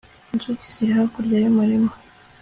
inzuki ziri hakurya y umurima